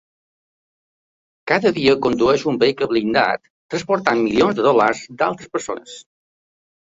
Cada dia condueix un vehicle blindat, transportant milions de dòlars d’altres persones.